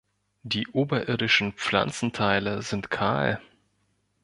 Die oberirdischen Pflanzenteile sind kahl.